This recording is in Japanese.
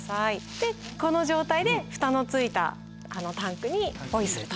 でこの状態で蓋のついたタンクにポイすると。